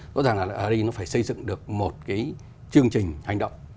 có rằng là ở đây nó phải xây dựng được một cái chương trình hành động